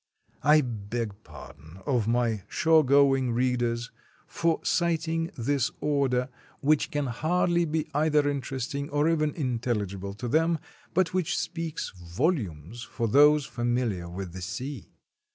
I beg pardon of my "shore going" readers for citing this order, which can hardly be either interesting or even intelligible to them, but which speaks volumes for those familiar with the sea.